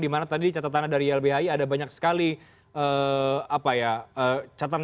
di mana tadi catatan dari ylbhi ada banyak sekali catatan catatan